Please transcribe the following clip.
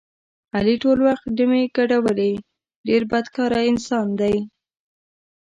علي ټول وخت ډمې ګډولې ډېر بدکاره انسان دی.